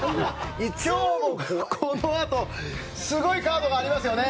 このあとすごいカードがありますね。